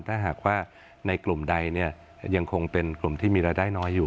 ถ้าหากว่าในกลุ่มใดยังคงเป็นกลุ่มที่มีรายได้น้อยอยู่